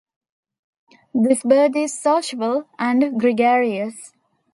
This bird is sociable and gregarious.